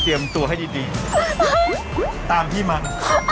เตรียมตัวให้ดีตามพี่มา